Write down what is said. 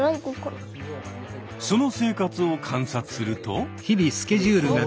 その生活を観察すると。